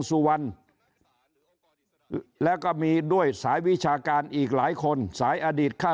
สุวรรณแล้วก็มีด้วยสายวิชาการอีกหลายคนสายอดีตค่า